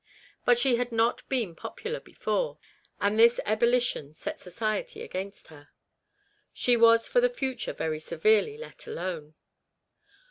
But she had not been popular before, and this ebullition set society against her. She was for the future very severely let alone.